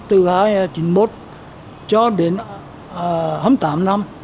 từ một nghìn chín trăm chín mươi một cho đến hai mươi tám năm